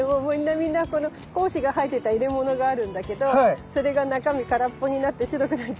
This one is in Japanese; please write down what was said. みんな胞子が入ってた入れ物があるんだけどそれが中身空っぽになって白くなっちゃった。